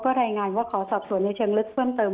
รายงานว่าขอสอบสวนในเชิงลึกเพิ่มเติม